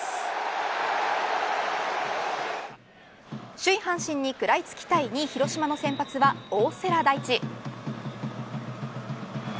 首位阪神に食らいつきたい２位広島の先発は大瀬良大地。